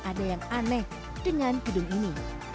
ada yang aneh dengan gedung ini